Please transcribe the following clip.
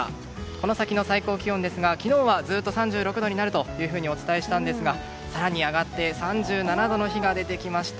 この先の最高気温ですが昨日はずっと３６度になるとお伝えしたんですが更に上がって３７度の日が出てきました。